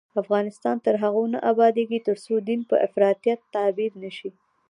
افغانستان تر هغو نه ابادیږي، ترڅو دین په افراطیت تعبیر نشي.